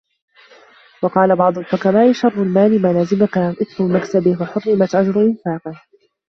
وَقَالَ بَعْضُ الْحُكَمَاءِ شَرُّ الْمَالِ مَا لَزِمَك إثْمُ مَكْسَبِهِ وَحُرِمْتَ أَجْرَ إنْفَاقِهِ